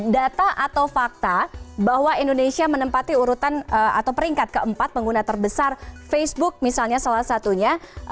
data atau fakta bahwa indonesia menempati urutan atau peringkat keempat pengguna terbesar facebook misalnya salah satunya